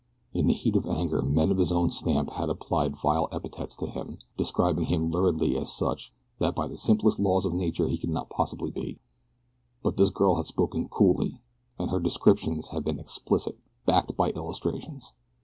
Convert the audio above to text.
In the heat of anger men of his own stamp had applied vile epithets to him, describing him luridly as such that by the simplest laws of nature he could not possibly be; but this girl had spoken coolly, and her descriptions had been explicit backed by illustrations.